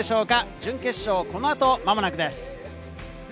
準決勝、この後、間もなくです。